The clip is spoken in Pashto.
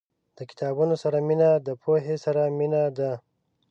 • د کتابونو سره مینه، د پوهې سره مینه ده.